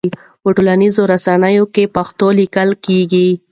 په ټولنيزو رسنيو کې پښتو ليکل کيږي.